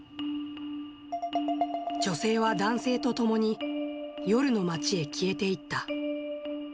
女性は男性とともに、夜の街へ消えていった。